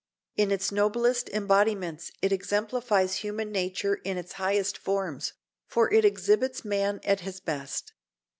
In its noblest embodiments it exemplifies human nature in its highest forms, for it exhibits man at his best.